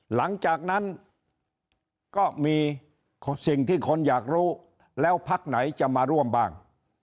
หลังจากนั้นก็มีสิ่งที่คนอยากรู้แล้วพักไหนจะมาร่วมบ้าง